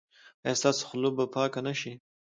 ایا ستاسو خوله به پاکه نه شي؟